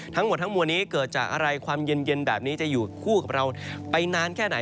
ทั้งหมดทั้งมวลนี้เกิดจากอะไรความเย็นแบบนี้จะอยู่คู่กับเราไปนานแค่ไหน